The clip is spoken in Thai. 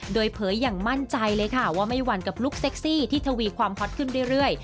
โดยเผยอย่างมั่นใจเลยค่ะว่าไม่หวั่นกับลุคเซ็กซี่ที่ทวีความฮอตขึ้นเรื่อย